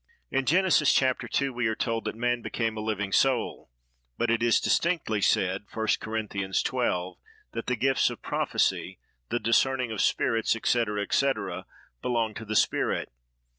In Genesis, chap. ii., we are told that "man became a living soul;" but it is distinctly said, 1 Cor. xii., that the gifts of prophecy, the discerning of spirits, &c., &c., belong to the spirit.